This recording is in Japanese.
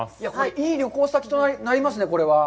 いい旅行先となりますね、これは。